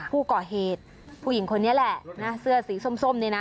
ผู้ก่อเหตุผู้หญิงคนนี้แหละหน้าเสื้อสีส้มนี่นะ